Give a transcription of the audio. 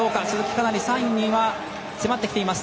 かなり３位には詰まってきています。